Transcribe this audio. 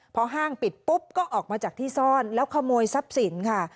พอห้างปิดปุ๊บก็ออกมาจากที่ซ่อนแล้วขโมยทรัพย์สินค่ะ